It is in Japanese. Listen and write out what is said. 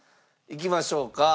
いきましょうか。